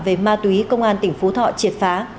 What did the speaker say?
về ma túy công an tỉnh phú thọ triệt phá